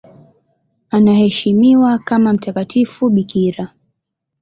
Anaheshimiwa kama mtakatifu bikira.